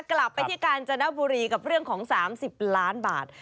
กลับไปที่กาญจนบุรีกับเรื่องของ๓๐ล้านบาท